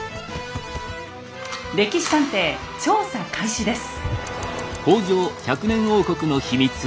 「歴史探偵」調査開始です。